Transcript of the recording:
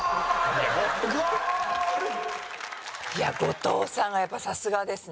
いや後藤さんがやっぱりさすがですね。